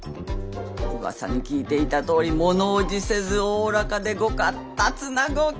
うわさに聞いていたとおりものおじせずおおらかでご闊達なご気性！